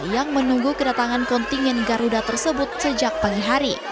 yang menunggu kedatangan kontingen garuda tersebut sejak pagi hari